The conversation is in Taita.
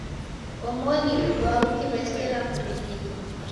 Omoni uduaa ukiw'eseria kurighitwa.